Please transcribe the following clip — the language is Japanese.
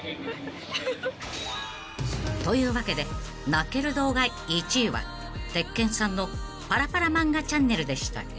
［というわけで泣ける動画１位は鉄拳さんの『パラパラ漫画チャンネル』でした］